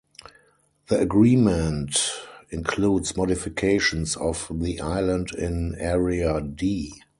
The agreement includes modifications of the island in "Area D".